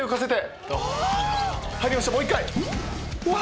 もう１回！